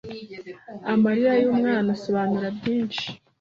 Amarira y’umwana asobanuye byinshi